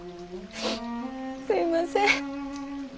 すいません。